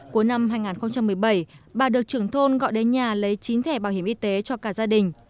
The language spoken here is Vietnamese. cuối năm hai nghìn một mươi bảy bà được trưởng thôn gọi đến nhà lấy chín thẻ bảo hiểm y tế cho cả gia đình